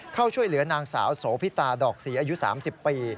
เข้าช่วยเหลือนางสาวโสพิตาดอกศรีอายุ๓๐ปี